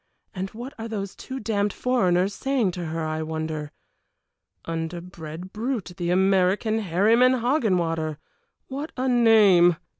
And what are those two damned foreigners saying to her, I wonder. Underbred brute, the American, Herryman Hoggenwater! What a name!